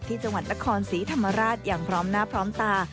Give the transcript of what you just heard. ที่จังหวัดนครศรีธรรมราชอย่างพร้อมหน้าพร้อมตา